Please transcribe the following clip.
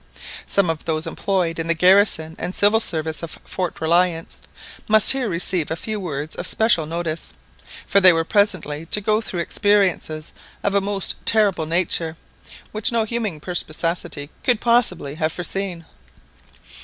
Some of those employed in the garrison and civil service of Fort Reliance must here receive a few words of special notice, for they were presently to go through experiences of a most terrible nature, which no human perspicacity could possibly have foreseen.